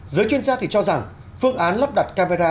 giới chuyên gia thì cho rằng phương án lắp đặt camera